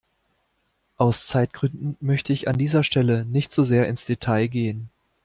Aus Zeitgründen möchte ich an dieser Stelle nicht zu sehr ins Detail gehen.